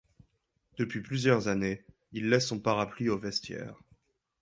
Depuis plusieurs années, il laisse son parapluie au vestiaire.